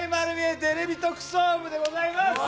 テレビ特捜部でございます。